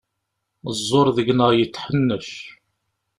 Ẓẓur deg-neɣ yetḥennec.